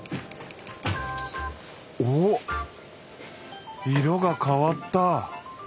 おおっ色が変わった！